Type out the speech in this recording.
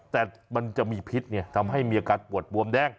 แต่มันจะมีพิษไงทำให้มีอาการปวดบวมแดง